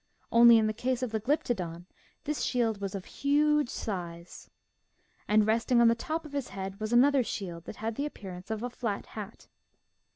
Only, in the case of the Glyptodon this shield was of huge size. And resting on the top of his head was another shield that had the ap pearance of a flat hat.